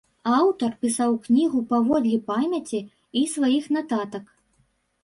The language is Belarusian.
Аўтар пісаў кнігу паводле памяці і сваіх нататак.